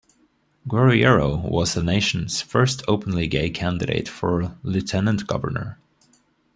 Guerriero was the nation's first openly gay candidate for lieutenant governor.